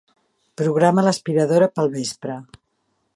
Programa l'aspiradora per al vespre.